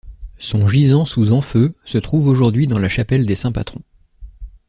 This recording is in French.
Son gisant sous enfeu se trouve aujourd'hui dans la chapelle des Saints-Patrons.